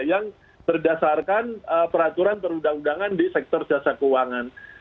yang berdasarkan peraturan perundang undangan di sektor jasa keuangan